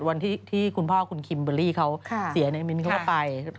วันที่คุณพ่อคุณคิมเบอร์รี่เขาเสียเนี่ยมิ้นเขาก็ไป